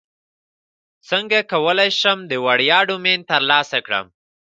څنګه کولی شم د وړیا ډومین ترلاسه کړم